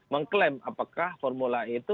mengklaim apakah formula e itu